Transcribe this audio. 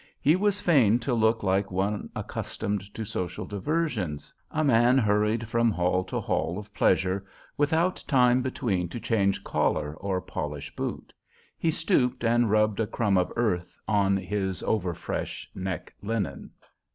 He was fain to look like one accustomed to social diversions, a man hurried from hall to hall of pleasure, without time between to change collar or polish boot. He stooped and rubbed a crumb of earth on his overfresh neck linen.